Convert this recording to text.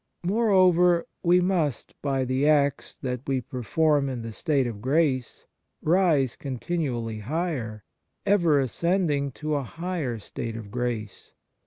Moreover, we must by the acts that we perform in the state of grace rise con tinually higher, ever ascending to a higher state of grace.